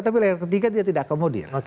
tapi layer ketiga dia tidak akomodir